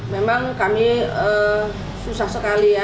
memang kami susah sekali ya